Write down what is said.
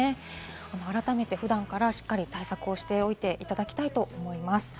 改めて普段からしっかり対策をしておいていただきたいと思います。